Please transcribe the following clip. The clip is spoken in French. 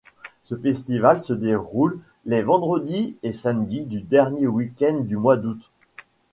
Ce festival se déroule les vendredi et samedi du dernier weekend du mois d'août.